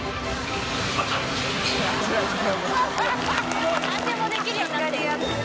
もう何でもできるようになってる。